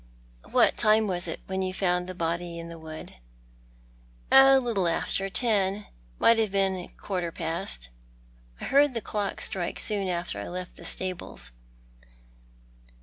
" What time was it when you found the body in the wood? " "A little after ten — it might have been a quarter past. I he; ird the clock strike soon after I left the stables."